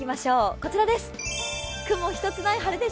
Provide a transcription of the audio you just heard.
こちらです。